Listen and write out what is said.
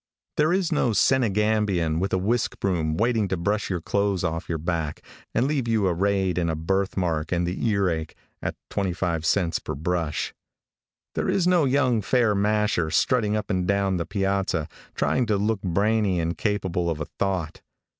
There is no Senegambian, with a whisk broom, waiting to brush your clothes off your back, and leave you arrayed in a birth mark and the earache, at twenty five cents per brush. There is no young, fair masher, strutting up and down the piazza, trying to look brainy and capable of a thought.